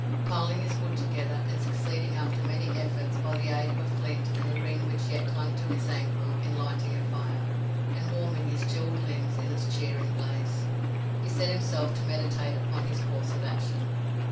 Piling his wood together, and succeeding after many efforts, by the aid of a flint and the ring which yet clung to his ankle, in lighting a fire, and warming his chilled limbs in its cheering blaze, he set himself to meditate upon his course of action.